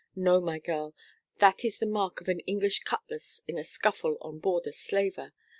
No, my girl, that is the mark of an English cutlass in a scuffle on board a slaver.